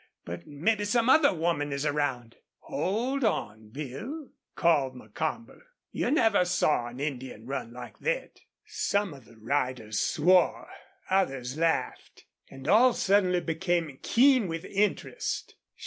But, mebbe some other woman is around." "Hold on, Bill," called Macomber. "You never saw an Indian run like thet." Some of the riders swore, others laughed, and all suddenly became keen with interest.